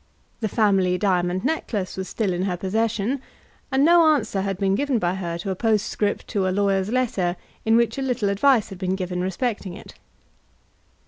The family diamond necklace was still in her possession, and no answer had been given by her to a postscript to a lawyer's letter in which a little advice had been given respecting it.